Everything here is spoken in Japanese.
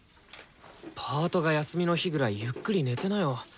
パートが休みの日ぐらいゆっくり寝てなよ。